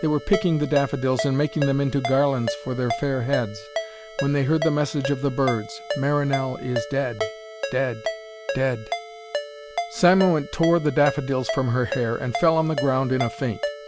They were picking the daffodils and making them into garlands for their fair heads, when they heard the message of the birds, 'Marinell is dead, dead, dead.' Cymoënt tore the daffodils from her hair, and fell on the ground in a faint.